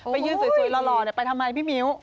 ไปยืนสวยหล่อไปทำไมพี่มิ้ว